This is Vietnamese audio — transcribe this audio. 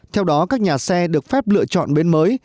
theo đó các nhà xe được phép lựa chọn bến mới